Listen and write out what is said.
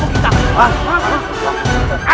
masih tidak satu mengrampok kami